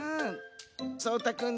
そうたくん・